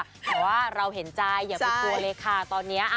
แต่ว่าเราเห็นใจอย่าพูดตัวเลคาตอนเนี่ย